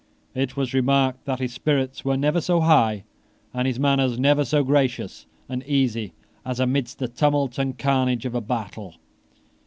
It was remarked that his spirits were never so high and his manners never so gracious and easy as amidst the tumult and carnage of a battle.